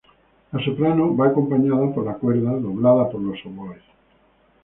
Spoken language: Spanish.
La soprano va acompañada por la cuerda, doblada por los oboes.